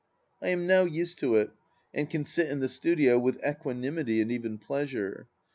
I am now used to it, and can sit in the studio with equani mity and even pleasure.